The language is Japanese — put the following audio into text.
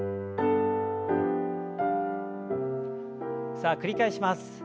さあ繰り返します。